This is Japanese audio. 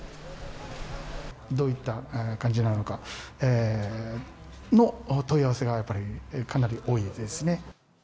どういった感じなのかのお問い合わせがやっぱり、かなり多いようですね。